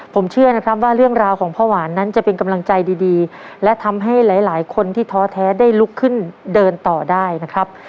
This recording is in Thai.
ผมเชื่อนะครับว่าเรื่องราวของพ่อหวานนั้นจะเป็นกำลังใจดีและทำให้หลายคนที่ท้อแท้ได้ลุกขึ้นเดินต่อได้นะครับ